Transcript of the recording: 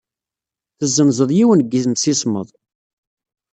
Tessenzed yiwen n yemsismeḍ.